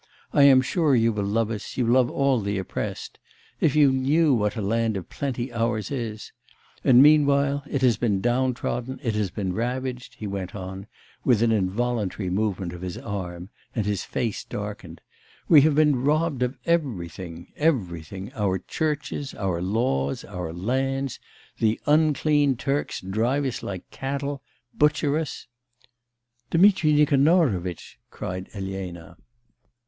I am sure you will love us, you love all the oppressed. If you knew what a land of plenty ours is! And, meanwhile, it has been downtrodden, it has been ravaged,' he went on, with an involuntary movement of his arm, and his face darkened; 'we have been robbed of everything; everything, our churches, our laws, our lands; the unclean Turks drive us like cattle, butcher us ' 'Dmitri Nikanorovitch!' cried Elena.